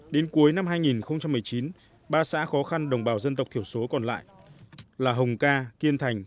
đến cuối năm hai nghìn một mươi chín ba xã khó khăn đồng bào dân tộc thiểu số còn lại là hồng ca kiên thành